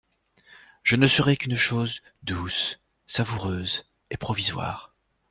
Je ne serai qu'une chose douce, savoureuse et provisoire.